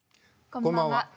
こんばんは。